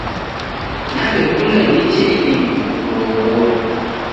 Nawekunda niche idimie kukuroghua.